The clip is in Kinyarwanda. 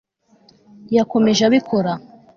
yakomeje abikora